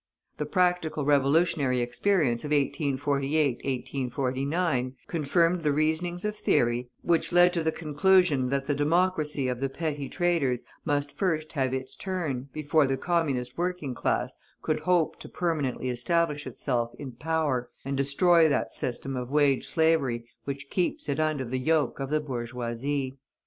The practical revolutionary experience of 1848 1849 confirmed the reasonings of theory, which led to the conclusion that the Democracy of the petty traders must first have its turn, before the Communist working class could hope to permanently establish itself in power and destroy that system of wage slavery which keeps it under the yoke of the bourgeoisie.